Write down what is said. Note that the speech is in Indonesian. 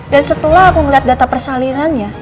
dan setelah aku melihat data persalinannya